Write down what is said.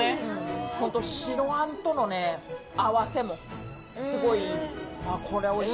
白あんとの合わせもすごい、いい。